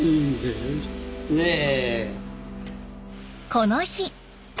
この日。